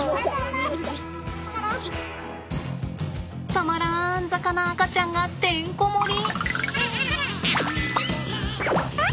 たまらん坂な赤ちゃんがてんこ盛り？